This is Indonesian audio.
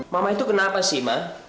mama itu kenapa sih mak